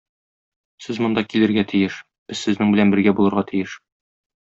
Сез монда килергә тиеш, без сезнең белән бергә булырга тиеш.